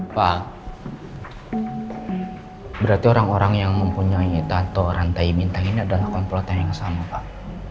pak berarti orang orang yang mempunyai tato rantai bintang ini adalah komplotan yang sama pak